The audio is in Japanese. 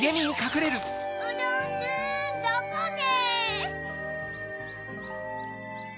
うどんくんどこネ？